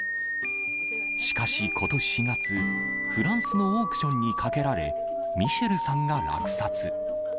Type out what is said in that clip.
しかしことし４月、フランスのオークションにかけられ、ミシェルさんが落札。